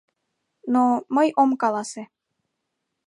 Но... мый ом каласе!